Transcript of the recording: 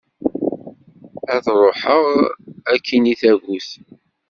Ad ruḥeγ akin i tagut.